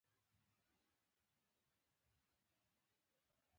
د حاصل کیفیت د پروسس سره مستقیم تړاو لري.